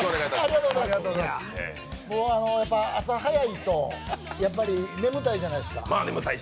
朝早いと眠たいじゃないですか。